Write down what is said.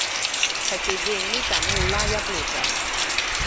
Caiff ei ddenu gan olau a blodau.